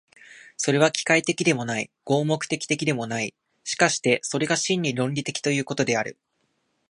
それは機械的でもない、合目的的でもない、しかしてそれが真に論理的ということである。